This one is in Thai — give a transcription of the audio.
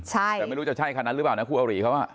ใช่แต่ไม่รู้ใช่ขนาดคู่อาริเขาไหม